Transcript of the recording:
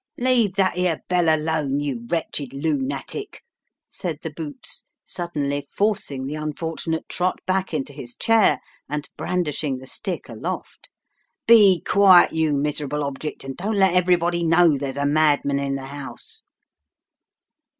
" Leave that 'ere bell alone, you wretched loo nattic !" said the boots, suddenly forcing the unfortunate Trott back into his chair, and brandishing the stick aloft. " Be quiet, you miserable object, and don't let everybody know there's a madman in the house."